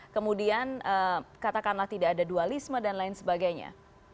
kemudian katakanlah tidak ada dualisme dan lain sebagainya